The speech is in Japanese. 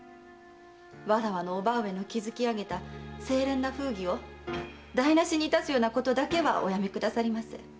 わらわの叔母上の築きあげた清廉な風儀を台無しにいたすようなことだけはおやめくださりませ。